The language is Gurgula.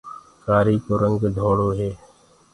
ڪآري ڪو رنگ ڌݪو هي۔